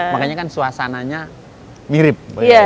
makanya kan suasananya mirip